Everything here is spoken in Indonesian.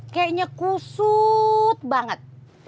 kayaknya kusut banget